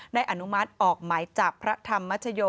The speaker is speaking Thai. ได้อนุมัติออกหมายจากพระธรรมะโชโย